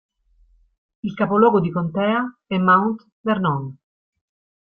Il capoluogo di contea è Mount Vernon.